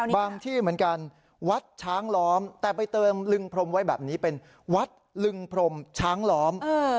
ที่เหมือนกันวัดช้างล้อมแต่ไปเติมลึงพรมไว้แบบนี้เป็นวัดลึงพรมช้างล้อม